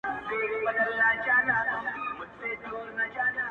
د مجهز کتابتون ښایست